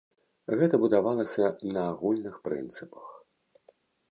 Гэта будавалася на агульных прынцыпах.